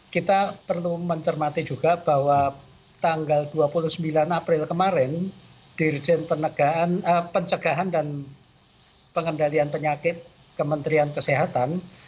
kita perlu mencermati juga bahwa tanggal dua puluh sembilan april kemarin dirjen pencegahan dan pengendalian penyakit kementerian kesehatan